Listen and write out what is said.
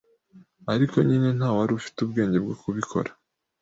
ariko nyine ntawari ufite ubwenge bwo kubikora